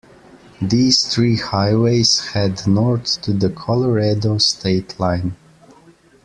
These three highways head north to the Colorado state line.